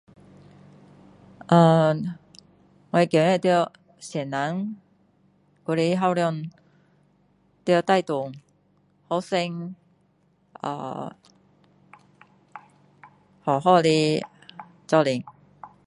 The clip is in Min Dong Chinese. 啊，我感觉到，老师或者校长要带动学生，啊，好好的同在。